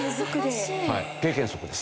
経験則で？